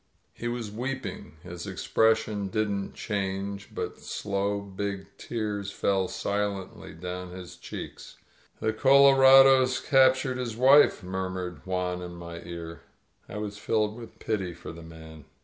He was weeping. His expression didn't change, but slow, big tears fell silently down his cheeks. "The colorados captured his wife !" murmured Juan in my ear. I was filled with pity for the man.